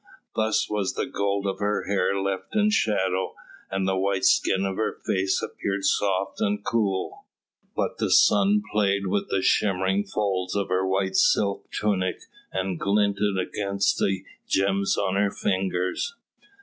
Thus was the gold of her hair left in shadow, and the white skin of her face appeared soft and cool, but the sun played with the shimmering folds of her white silk tunic and glinted against the gems on her fingers.